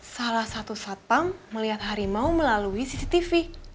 salah satu satpam melihat harimau melalui cctv